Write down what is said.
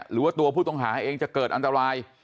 หรือว่าตัวผู้ต้องหาเองจะเกิดอันตราย